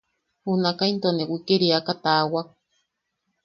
Junakaʼa into ne wikiriaka taawak.